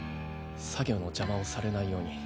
作業のジャマをされないように。